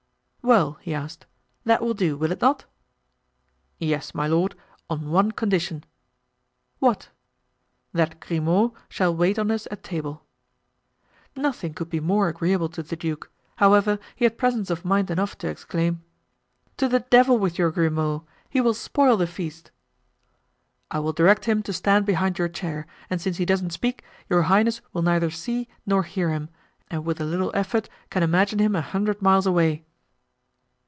"Well," he asked, "that will do, will it not?" "Yes, my lord, on one condition." "What?" "That Grimaud shall wait on us at table." Nothing could be more agreeable to the duke, however, he had presence of mind enough to exclaim: "To the devil with your Grimaud! He will spoil the feast." "I will direct him to stand behind your chair, and since he doesn't speak, your highness will neither see nor hear him and with a little effort can imagine him a hundred miles away."